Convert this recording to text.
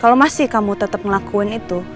kalau masih kamu tetap ngelakuin itu